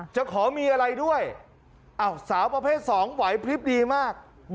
จะขอมีอะไรด้วยสาวประเภท๒ไหวพลิบดีมาก